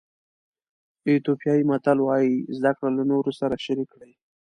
ایتیوپیایي متل وایي زده کړه له نورو سره شریک کړئ.